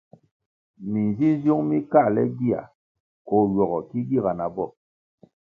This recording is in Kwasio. Minzinziung mi káhle gia koh ywogo ki giga na bo.